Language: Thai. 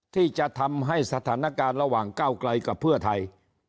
ที่จะทำให้สถานการณ์ระหว่างก้าวไกลกับเพื่อไทย